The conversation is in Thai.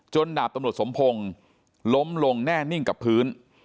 ดาบตำรวจสมพงศ์ล้มลงแน่นิ่งกับพื้น